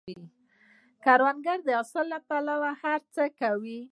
کروندګر د حاصل له پاره هر څه کوي